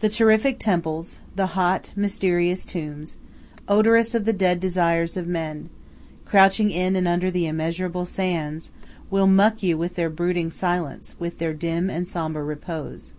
The terrific temples, the hot, mysterious tombs, odorous of the dead desires of men, crouching in and under the immeasurable sands, will muck you with their brooding silence, with their dim and sombre repose.